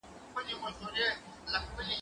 د دې پوښتني ځواب علماوو ويلی دی.